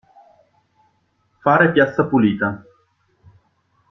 Fare piazza pulita.